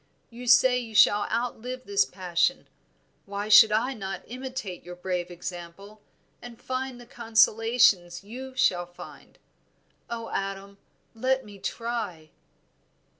You say you shall outlive this passion; why should not I imitate your brave example, and find the consolations you shall find? Oh, Adam, let me try."